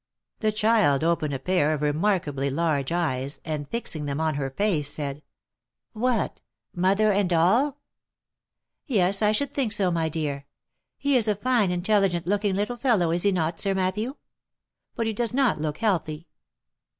The child opened a pair of remarkably large eyes, and fixing them on her face, said, " What ! mother and all?" " Yes, I should think so, my dear. He is a fine intelligent look ing little fellow, is he not, Sir Matthew ? But he does not look healthy.